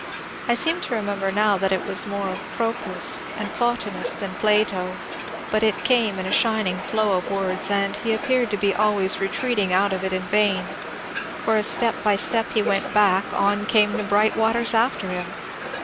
I seem to remember now that it was more Proclus and Plotinus than Plato, but it came in a shining flow of words, and he appeared to be always retreating out of it in vain, for as step by step he went back, on came the bright waters after him.